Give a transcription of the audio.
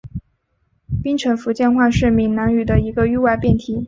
槟城福建话是闽南语的一个域外变体。